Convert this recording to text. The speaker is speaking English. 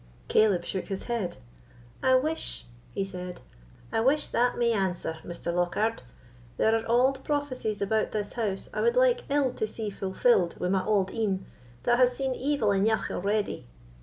Caleb shook his head. "I wish," he said—"I wish that may answer, Mr. Lockhard. There are auld prophecies about this house I wad like ill to see fulfilled wi' my auld een, that has seen evil eneugh already."